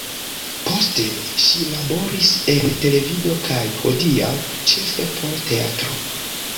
Poste, ŝi laboris en televido kaj, hodiaŭ, ĉefe por teatro.